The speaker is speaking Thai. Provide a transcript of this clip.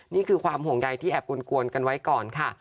นี่คือความห่วงใยที่แอบกวนกันไว้ก่อนค่ะ